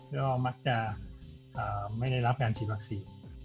ก็มักจะไม่ได้รับการฉีดวัคซีน